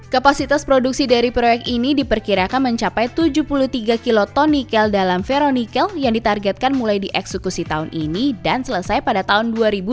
kapasitas produksi dari proyek ini diperkirakan mencapai tujuh puluh tiga kiloton nikel dalam veronical yang ditargetkan mulai dieksekusi tahun ini dan selesai pada tahun dua ribu dua puluh